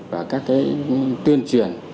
và các cái tuyên truyền